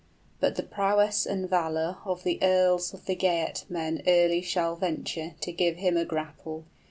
But the prowess and valor 45 Of the earls of the Geatmen early shall venture To give him a grapple.